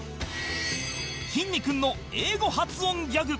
きんに君の英語発音ギャグ